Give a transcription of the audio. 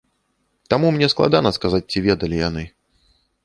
Таму мне складана сказаць, ці ведалі яны.